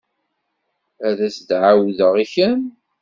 Ad as-d-ɛawdeɣ i Ken?